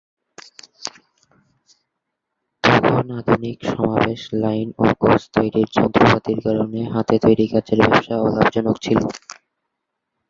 তখন আধুনিক সমাবেশ লাইন ও কাচ তৈরীর যন্ত্রপাতির কারণে হাতে তৈরী কাচের ব্যবসা অলাভজনক ছিল।